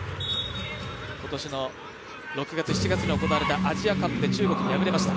今年の６月、７月に行われたアジアカップで中国に敗れました。